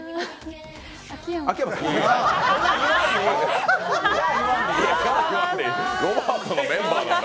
秋山さん